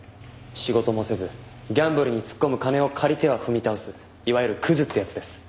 仕事もせずギャンブルに突っ込む金を借りては踏み倒すいわゆるクズってやつです。